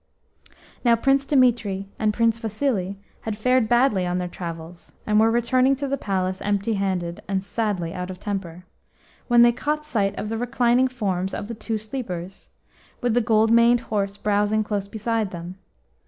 Now Prince Dimitri and Prince Vasili had fared badly on their travels, and were returning to the palace, empty handed, and sadly out of temper, when they caught sight of the reclining forms of the two sleepers, with the gold maned horse browsing close beside them.